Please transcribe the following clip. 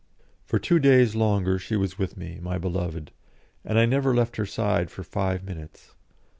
For two days longer she was with me, my beloved, and I never left her side for five minutes.